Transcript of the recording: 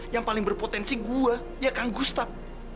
yang paling berpotensi gue ya kan gustaf